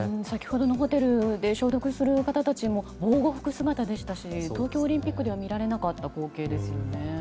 先ほどのホテルで消毒する方たちも防護服姿でしたし東京オリンピックでは見られなかった光景ですよね。